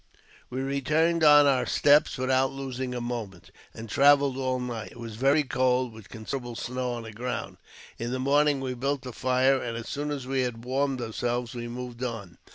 We returned on our steps without losing a moment, and travelled all night. It was very cold, with considerable snow on the ground. In the morning we built a fire, and as soon as we had warmed ourselves we moved on.